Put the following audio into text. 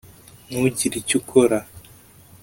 ntugire icyo ukora